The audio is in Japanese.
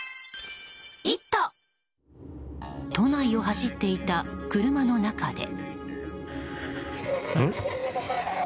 都内を走っていた車の中で。